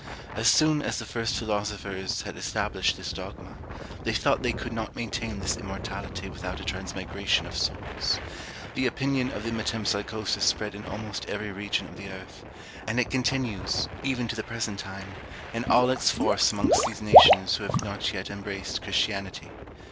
As soon as the first philosophers had established this dogma, they thought they could not maintain this immortality without a transmigration of souls. The opinion of the metempsychosis spread in almost every region of the earth; and it continues, even to the present time, in all its force amongst those nations who have not yet embraced Christianity.